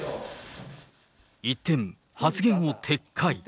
一転、発言を撤回。